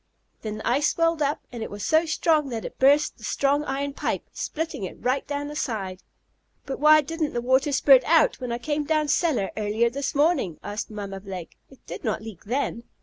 "Then the ice swelled up, and it was so strong that it burst the strong iron pipe, splitting it right down the side." "But why didn't the water spurt out when I came down cellar earlier this morning?" asked Mamma Blake. "It did not leak then."